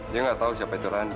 dia gak tau siapa itu randi